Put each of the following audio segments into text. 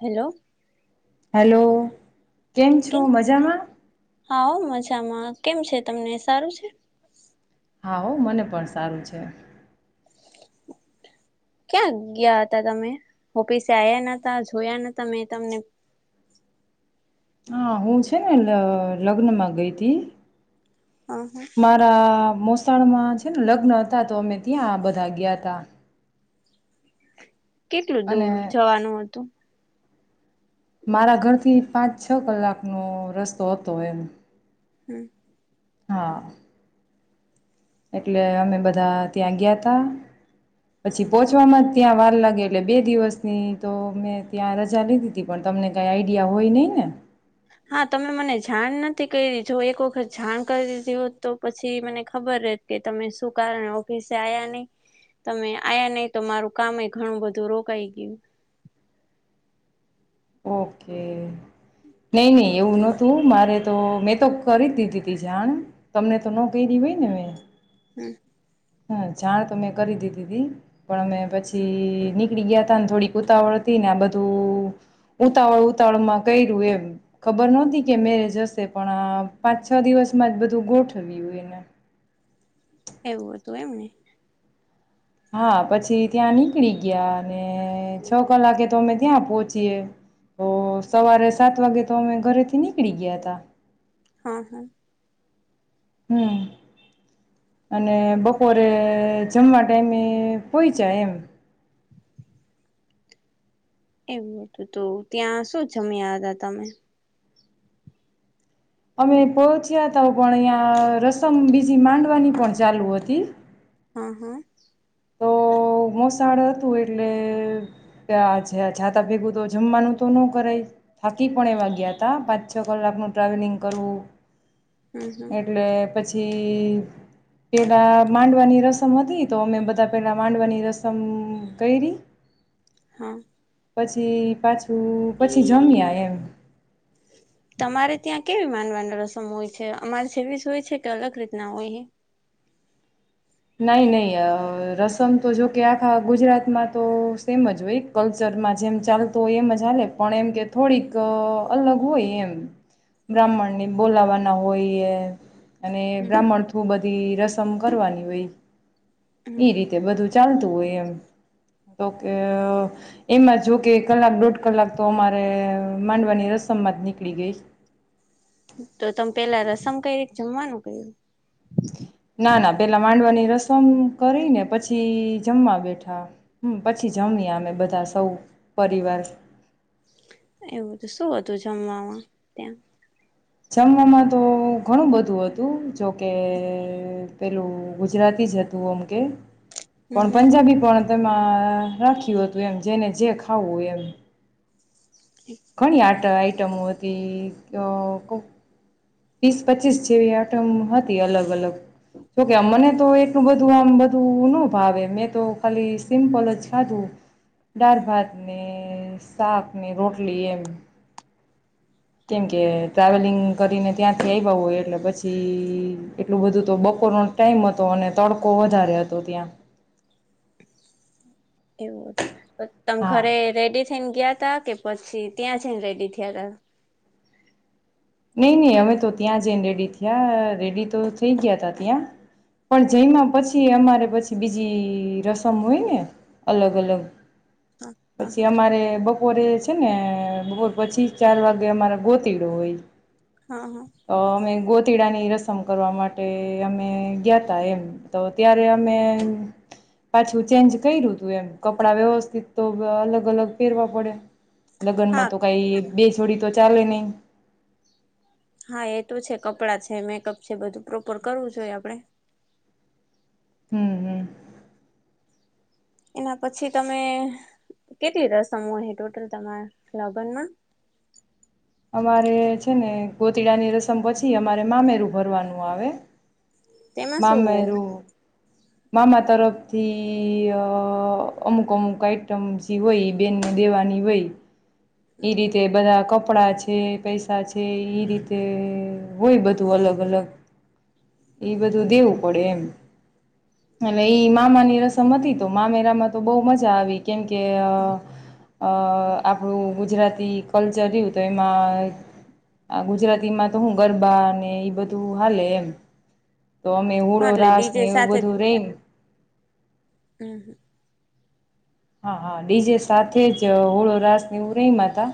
Hello hello કેમ છો મજામાં ામાં કેમ છે તમને સારું છે આવો મને પણ સારું છે ક્યાં ગયા હતા તમે ઓફિસે આવ્યા ન હતા જોયા ન ત મેં તમને હા હું છે ને લગ્નમાં ગઈ હતી હ [inaudible] મારા મો મોસાણમાં છે ને લગ્ન હતા તો અમે ત્યાં બધા ગયા ત કેટલું અને દૂર જવાનું હતું મારા ઘરથી પાંચ છ કલાકનો રસ્તો હતો એમ [inaudible] હા એટલે અમે બધા ત્યાં ગયા તા પછી પોહોચવામાં જ ત્યાં વાર લાગી એટલે બે દિવસની તો મેં ત્યાં રજા લીધી હતી પણ તમને કઈ આઈડિયા હોય નહીિ ને હા તમે મને જાણ નથી કરી જો એક વખત જાણ કરી દીધી હોત તો પછી મને ખબર ર કે તમે શું કારણ ઓફિસે આ્યા નહી તમે આ્યા નહી તો મારું કામ ઘણું બધું રોકાઈ ગયું ઓકે નઈ નહી એવું નોતું મારે તો મેં તો કરી દીધી તી જાણ તમને તો ન ક હોય ને મે [inaudible] હા જાણ તો મેં કરી દીધી તી પણ અમે પછી નીકળી ગયા તા ને થોડીક ઉતાવળ હતી ને આ બધું ઉતાવળ ઉતાવળમાં કર્યું એમ ખબર નહતી કે મેરેજ હશે પણ આ પાંચ છ દિવસમાં જ બધું ગોઠવ્યું એને એવું હતું એમને હા પછી ત્યાં નીકળી ગયા અને છ કલાકે તો અમે ત્યાં પોહોંચીય તો સવારે સાત વાગે તો અમે ઘરેથી નીકળી ગયા તા હા હા હમ અને બપોરે જમવા ટાઈમે પહોંચાય એમ એવું હતું તો ત્યાં શું જમ્યા હતા તમે અમે પહોચ્યા ત પણ અહીં રસમ બીજી માંડવાની પણ ચાલુ હતી હા હા તો મોસાળ હતું એટલે્યા જાતા ભેગું તો જમવાનું તો ન કરાય હાકીપણે વાગ્યાત પાંચ છ કલાકનું ટ્રાવેલિંગ કરવું હમ હમ એટલે પછી પેલા માંડવાની રસમ હતી તો અમે બધ તા પેલાં માંડવની રસમ ક ર હા પછી પાછું પછી જમ્યા એમ તમારે ત્યાં કેવી માનવાની રસમ હોય છે અમારે જેવી જ હોય છે કે અલગ રીતના હોય નહી નહીં રસમ તો જોકે આખા ગુજરાતમાં તો સેમ જ હોય કલ્ચરમાં જેમ ચાલતોું હોય એમ જ ચાલે પણ એમ કે થોડીક અલગ હોય એમ બ્રાહ્મણને બોલાવાના હોય એ અને હમ બ્રાહ્મણું બધ રસમ કરવાની હોય. હમ [inaudible] એ હમ રીતે બધું જ ચાલતું હોય એમ તો કે એમાં જો કે કલાક દોઢ કલાક તો અમારે માંડવાની રસમમાં જ નીકળી ગઈ. તો તમે પેલા રસમ કઈ રીતે જમવાનું ક્યું. ના ના પેલા માંડવાની. રસમ કરીને પછી જમવા બેઠા હમ પછી જમ્યા અમે બધા સૌ પરિવાર. એવું તો શું હતું જમવાવામાં ત્યાં. જમવામાં તો ઘણું બધું હતું જોકે પેલું ગુજરાતી જ હતું આમ કે. હમ કોણ હમ પંજાબી કોણ. તેમાં રાખ્યું હતું એમ જેને જે ખાવું એમ. ઘણી આટ. પટમતી કોબ. તીસ પચીસ જેવી આટમ હતી અલગ અલગ. જોકે મને તો એટલું બધું. બધું આમ બધું ન ભાવે મેં તો ખાલી સિમ્પલ જ ખાધું. ડાર ભાત ને. શાક ની રોટલી એમ કેમ કે ટ્રાવેલિંગ કરીને. ત્યાંથી આવ્યા હોય એટલે પછી એટલું બધું તો બપોરનો ટાઈમ હતો અને તડકો વધારે હતો ત્યાં. એવું હતું તમે હા ઘરે રેડી. થઈને ગયા તા કે પછી ત્યાં જઈને રેડી થયા ત. નહી નહી અમે તો ત્યાં જઈને રેડી થયા રેડી તો થઈ ગયા તા ત્યાં. પણ જઈમાં પછી અમારે. રે પછી બીજી રસમ હોય ને અલગ અલગ. તા હા પછી અમારે બ બપોરે છે ને. હા અ મે ગો. પતીડાની રસમ કરવા માટે અમે ગયા ત એમ તો ત્યારે [inaudible] હા હા [unintelligible] બે છોડી તો ચાલે નહી. હા એ તો છે કપડાં છે મેકઅપ છે બધું પ્રોપર કરવું જોઈ આપડે. હમ હમ. એના પછી તમે કેટલી રસમો હોય ટોટલ તમારા લગનમાં. અમારે છે ને ગોતડા ની રસમ પછી અમારે મામેરું ભરવાનું આવે. તેમાં શું હોય. મામેરું મામા તરફથી અ અમુક અમુક આઈટમ જે હોય બેનને દેવાની હોય. એ રીતે બધા કપ કપડા છે પૈસા છે એ રીતે હોય બધું અલગ અલગ એ બધું દેવું પડે એમ અને ઈ મામાની રસમ હતી તો મામેરા. ગુજરાતી કલ્ચર રયુ તો એમાં આ ગુજરાતીમાં તો હું ગરબા અને એ બધું હાલે એમ. તો અમે હા હૂડો એટલે રાસ ડીજે ને એવું સાથે બધું રેમ હમ. હા હા ડીજે સાથે જ હોળો રાસ ની [unintelligible] રહીમાં હતા.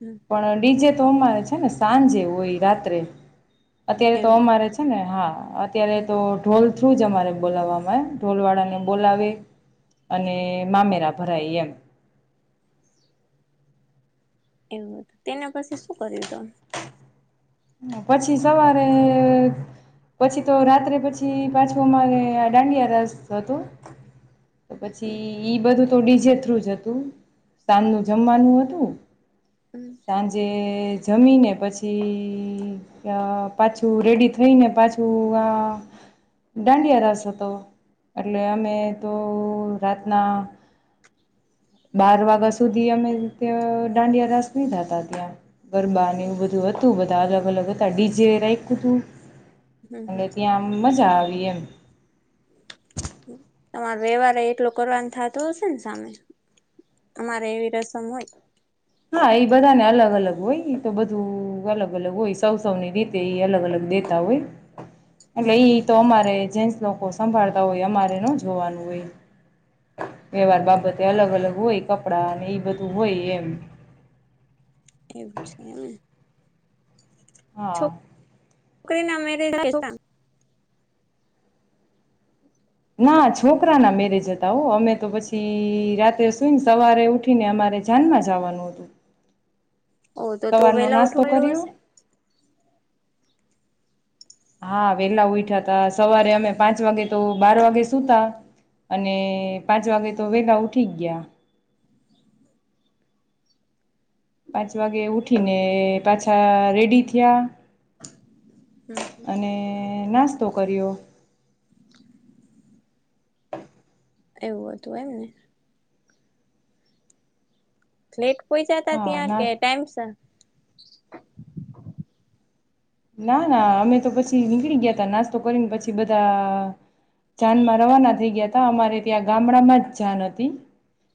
હમ પણ ડીજે. તો અમારે છે ને સાંજે હોય રાત્રે. અત્યારે તો એવું અમારે છે ને હા. અત્યારે હતું તો ઢોલ. થ્રુ જ અમારે બોલાવવામાં આવે ઢોલવાળાને બોલાવે અને મામેરા ભરાય એમ. એમ તેના પછી શું કર્યું તમે. પછી સવારે પછી તો રાત્રે પછી પાછું અમારે આ દાંડિયા રસ હતો. હમ પછી ઈ બધું. તો ડીજે થ્રુ જ હતું સાંજનું જમવાનું હતું. સાંજે. જમીને પછી. હમમ અ પાછું રેડી થઈ ને પાછું આ દાંડિયા રાસ હતો એટલે અમે તો રાતના બાર વાગ્યા સુધી અમે ત્યાં દાંડિયા રાસ લીધા હતા ત્યાં. ગરબા ને એવું બધું હતું. તું બધું. તા અલગ અલગ હતા ડી જેે રાખ્યું તું. હમ એટલે હમ ત્યાં આમ મજા આવે. એમ. તમારો વ્યવહાર એટલો કરવાનું થતોું હશે ને સામે તમારે એવી રસમ હોય. હા એ બધાને અલગ અલગ હોય એ તો બધું અલગ અલગ હોય સૌ સૌ ની રીતે એ અલગ અલગ દેતા હોય. અ હા હા એ તોમરે. જેસ લોકો સંભાળતા હોય અમારે ન જોવાનું હોય વ્યવહાર બાબતે અલગ અલગ હોય કપડાં અને એ બધું હોય એમ. એવું છે એ. હા. છોકરી નામેરી. ના છોકરા ના મેરેજ હતા હો અમે તો પછી રાત્રે સુઈને સવારે ઉઠીને અમારે જ્યાાનમાં જવાનું હતું. ઓ તો તો સવારનો વેલા નાસ્તો ઉઠવાયળું કર્યો હશે. હા વેલા ઉઠા ત સવારે અમે પાંચ વાગે તો બાર વાગે સુતા અને પાંચ વાગે તો વેલા ઉઠી ગયા. પાંચ વાગે ઉઠીને પાછા રેડી થયા. [inaudible] અને નાસ્તો કર્યો. એવું હતું એમ ને. [inaudible] કોઈ જતા હા ત્યાં કે ના ટાઈમ સર. ના ના અમે તો પછી નીકળી ગયા ત નાસ્તો કરીને પછી બધા જાનમાં રવાના થઈ ગયા ત અમારે ત્યાં ગામડામાં જ જાન હતી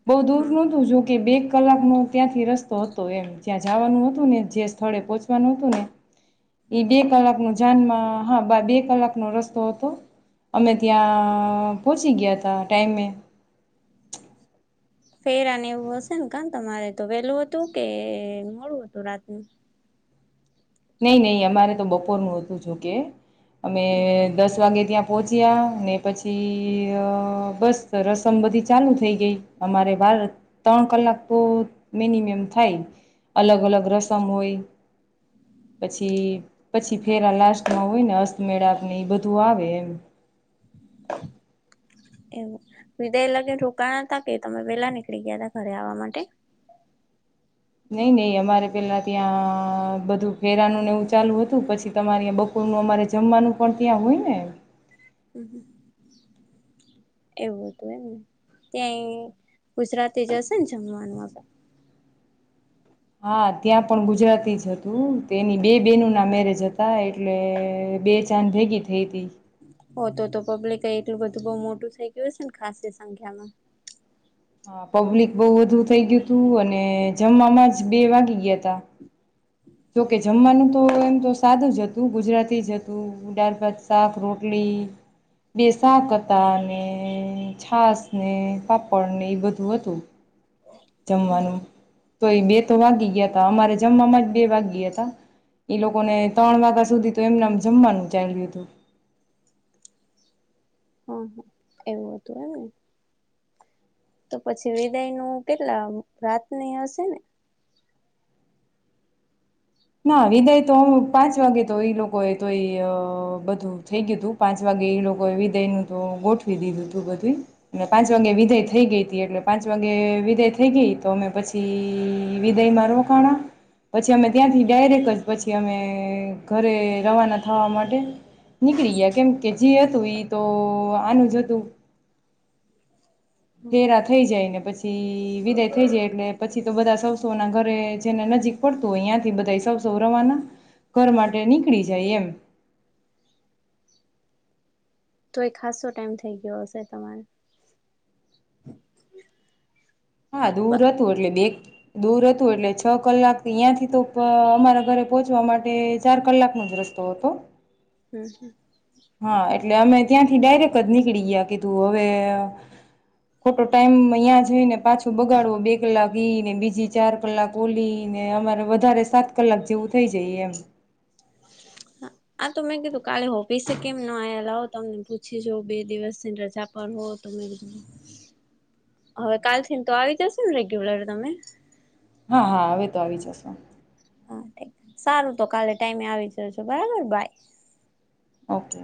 બહુ દૂર નું તુંજું કે બે કલાકનો ત્યાંથી રસ્તો હતો એમ જ્યાં જવાનું હતું ને જે સ્થળે પોહોંચવાનું હતું ને ડે કલાક મ જાનમાં હા બે કલાકનો રસ્તો હતો અમે ત્યાં પહોંચી ગયા હતા ટાઈમે ફેરાને એવું હશે ને કણ તમારે તો વહેલું હતું કે મોડું હતું રાતનું નહી નહી અમારે તો બપોરનુંું હતું જોકે અમે દસ વાગે ત્યાં પહોંચ્યા ને પછી બસ રસમ બધી ચાલુ થઈ ગઈ અમારે વાર ત્રણ કલાક તો મિનિમમ થાય અલગ અલગ રસમ હોય પછી પછી ફેરા લાસ્ટમાં હોય ને અસ્તમેળાપને બધું આવે એમ એવું વિદાય લગ્ન રોકાણ હતા કે તમે પેલા નીકળી ગયા ત ઘરે આવવા માટે નહીં નહીં અમારે પેલા ત્યાં બધું ફેરાનું ને એવું ચાલુ હતું પછી તમારેં બપોરનું અમારે જમવાનું પણ ત્યાં હોય ને એવું હતું એમને ત્યાંય ગુજરાતી જશે ને જમવાનુંમાં પણ હા ત્યાં પણ ગુજરાતી જ હતું તે એની બે બેહેનો ના મેરેજ હતા એટલે બે ચાંદ ભેગી થઈ હતી હો તો તો પબ્લિક એટલું બધું બહ મોટું થઈ ગયું હશે ને ખાસ સંખ્યામાં હ પબ્લિક બહુ વધુ થઇ ગયું તું અને જમવામાં જ બે વાગી ગયા ત જોકે જમવાનું તો એમ તો સાદ જ હતું ગુજરાતી જ હતું દળ ભાત શાક રોટલી બે શાક હતા ને છાસ ને પાપડ ને એ બધું હતું જમવાનું તોય બે તો વાગી ગયા ત અમારે જમવાવામાં જ બે વાગ્યા હતા એ લોકોને ત્રણ વાગ્યા સુધી તો એમ જમવાનું ચાલ્યું હતું હ હ એવું હતું એમને તો પછી વિદાય નું કેટલા રાતની હશે ને ના વિદાય તો પાંચ વાગે તો ઈ લોકોએ તો બધું થઈ ગયું તું પાંચ વાગે ઈ લોકોએ વિદાય નું તો ગોઠવી દીધું તું બધું અને પાંચ વાગે વિદાય થઈ ગઈ હતી એટલે પાંચ વાગે વિદાય થઈ ગઈ તો અમે પછી વિદાયમાં રોકાણા ત્યાંથી ડાયરેક જ પછી અમે ઘરે રવાના થવા માટે નીકળી ગયા કેમ કે જે હતું ઈ તો આનું જ હતું હેરા થઈ જાય ને પછી વિદાય થઈ જાય એટલે પછી તો બધા સસોના ઘરે જેને નજીક પડતું હોય ત્યાંથી બધા સસો રવાના ઘર માટે નીકળી જાય એમ તો એ ખાસો ટાઈમ થઈ ગયો હશે તમારે હા દૂર હત ઓડલે બે દૂર હતું એટલે છ કલાક અ્યાંથી તો અમારા ઘરે પહોંચવા માટે ચાર કલાકનો જ રસ્તો હતો હમ હમ હા એટલે અમે ત્યાંથી ડાયરેક્ટ જ નીકળી ગયા કે તુઓવે ખોટો ટાઈમ યાં જઈ ને પાછું બગાડવો બે કલાક એઈને બીજી ચાર કલાક ઓલી ને અમારે વધારે સાત કલાક જેવું થઈ જાય એમ આ તો મેં કીધું કાલે ઓફિસે કેમ ના આલા હો તમને પૂછી જ બે દિવસથી રજા પર હોવ તો મેં કીધું હવે કાલ થીને તો આવી જશે ને રેગ્યુલર તમે હા હા હવે તો આવી જશેો હા સારું તો કાલે ટાઈમે આવી જજો બરાબર બાય ઓકે